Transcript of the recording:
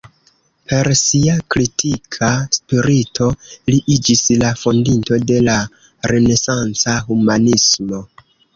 Per sia kritika spirito, li iĝis la fondinto de la renesanca humanismo.